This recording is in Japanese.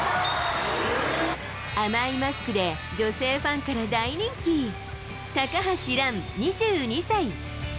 甘いマスクで女性ファンから大人気、高橋藍２２歳。